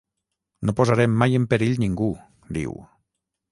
No posarem mai en perill ningú, diu.